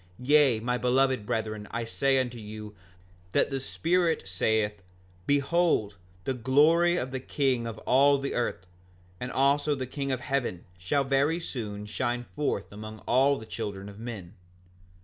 Yea, my beloved brethren, I say unto you, that the Spirit saith: Behold the glory of the King of all the earth; and also the King of heaven shall very soon shine forth among all the children of men.